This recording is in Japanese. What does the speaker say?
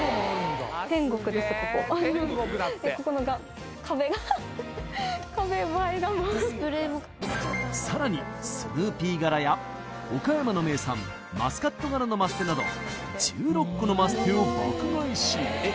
ここの壁がハハッ壁映えがもうさらにスヌーピー柄や岡山の名産マスカット柄のマステなど１６個のマステを爆買いし